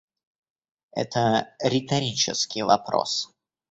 Это риторический вопрос.